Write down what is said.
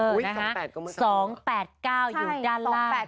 ๒๘๙อยู่ด้านล่าง